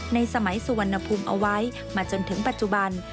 ในสมัยสุวรรณภูมิเอาไว้มาจนถึงปัจจุบัน